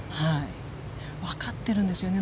わかっているんですよね